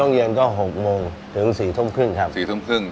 ช่วงเย็นก็๖โมงถึง๔ทุ่มครึ่งครับ